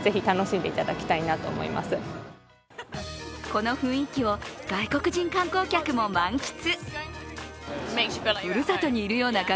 この雰囲気を外国人観光客も満喫。